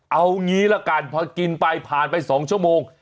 เอางี้ละกันพอกินไปผ่านไป๒ชั่วโมง